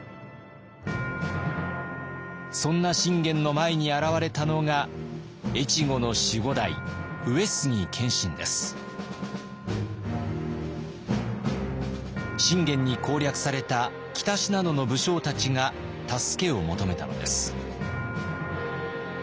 そんな信玄の前に現れたのが越後の守護代信玄に攻略された北信濃の武将たちが助けを求めたのです。